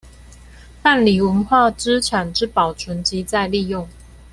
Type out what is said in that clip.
辦理文化資產之保存及再利用